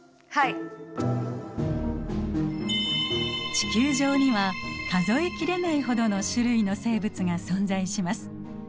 地球上には数え切れないほどの種類の生物が存在します。